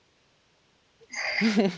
フフフ。